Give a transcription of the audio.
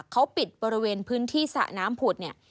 เขาปิดบริเวณพื้นที่สระน้ำผุดเนี่ย